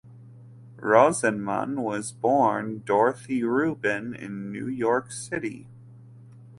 Rosenman was born Dorothy Ruben in New York City.